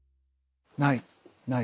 ない。